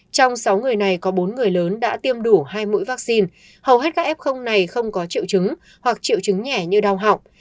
trong sáu người này có bốn người lớn đã tiêm đủ hai mũi vaccine hầu hết các f này không có triệu chứng hoặc triệu chứng nhẹ như đau họng